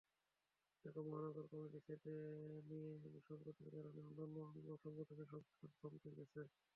ঢাকা মহানগর কমিটি নিয়ে সংকটের কারণে অন্যান্য অঙ্গ সংগঠনের সংস্কারও থমকে গেছে।